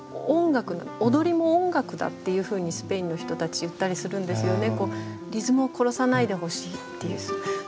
「踊りも音楽だ」っていうふうにスペインの人たち言ったりするんですよね。